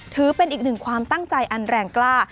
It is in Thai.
ถือเป็นอีกหนึ่งความตั้งใจอันแรงกล้า